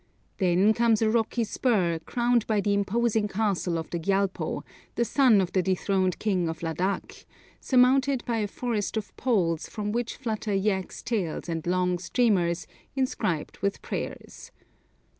Then comes a rocky spur crowned by the imposing castle of the Gyalpo, the son of the dethroned king of Ladak, surmounted by a forest of poles from which flutter yaks' tails and long streamers inscribed with prayers.